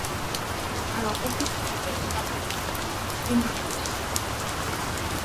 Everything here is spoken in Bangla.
আর অপর দিকে আছে সাতটি শুকনো ও শীর্ণ শীষ।